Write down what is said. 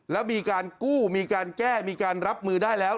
แล้วมีการกู้มีการแก้มีการรับมือได้แล้ว